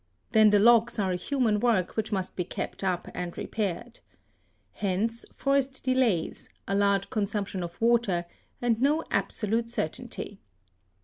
Then the locks are a human work which must be kept up and repaired. Hence forced delays, a large con sumption of water, and no absolute certainty.